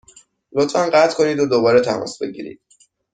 لطفا قطع کنید و دوباره تماس بگیرید.